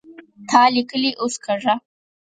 تا ليکلې اوس کږه